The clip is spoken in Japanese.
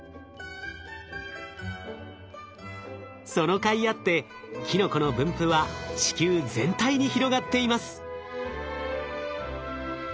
そのかいあってキノコの分布は地球全体に広がっています。